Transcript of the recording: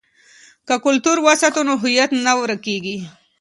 که کلتور وساتو نو هویت نه ورکيږي.